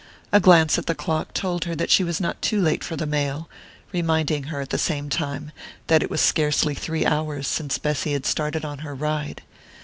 A glance at the clock told her that she was not too late for the mail reminding her, at the same time, that it was scarcely three hours since Bessy had started on her ride....